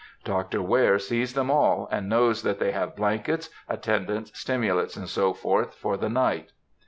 Dr. Ware sees them all, and knows that they have blankets, attendants, stimulants, &c. for the night.